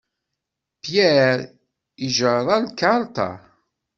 Pierre ijerra lkarṭa.